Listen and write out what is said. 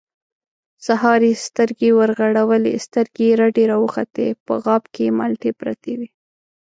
سهار يې سترګې ورغړولې، سترګې يې رډې راوختې، په غاب کې مالټې پرتې وې.